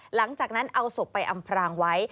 หลังจากนั้นเอาศพไปอำพรางไว้